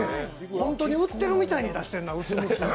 ホントに売ってるみたいに出してるな、薄娘。